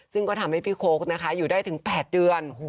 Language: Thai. ซึ่งก็ทำให้พี่โค้กนะคะอยู่ได้ถึง๘เดือน